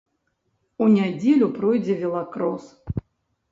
У нядзелю пройдзе велакрос.